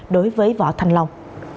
đối với võ thanh long